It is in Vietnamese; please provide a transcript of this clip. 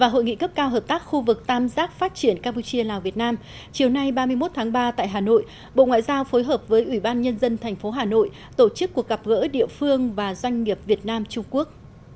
hội nghị cấp cao hợp tác khu vực tam giác phát triển campuchia lào việt nam chiều nay ba mươi một tháng ba tại hà nội bộ ngoại giao phối hợp với ủy ban nhân dân thành phố hà nội tổ chức cuộc gặp gỡ địa phương và doanh nghiệp việt nam trung quốc